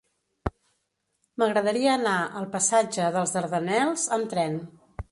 M'agradaria anar al passatge dels Dardanels amb tren.